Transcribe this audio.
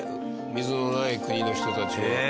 水のない国の人たちは。